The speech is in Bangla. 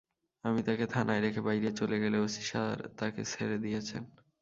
আমি তাঁকে থানায় রেখে বাইরে চলে গেলে ওসি স্যার তাঁকে ছেড়ে দিয়েছেন।